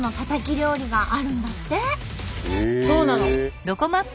そうなの。